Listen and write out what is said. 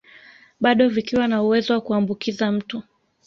Bado vikiwa na uwezo wa kuambukiza mtu